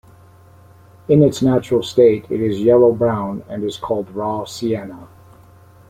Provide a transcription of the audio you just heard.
In its natural state, it is yellow-brown and is called raw sienna.